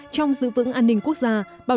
trong giữ vững an ninh quốc gia